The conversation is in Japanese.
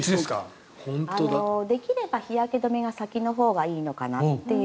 できれば日焼け止めが先のほうがいいのかなと。